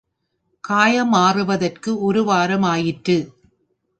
காயம் ஆறுவதற்கு ஒரு வாரம் ஆயிற்று.